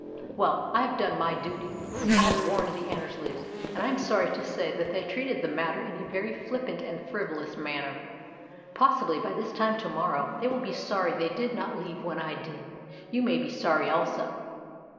"Well, I have done my duty. I have warned the Annersleys, and I am sorry to say that they treated the matter in a very flippant and frivolous manner. Possibly by this time to morrow they will be sorry they did not leave when I did. You may be sorry also."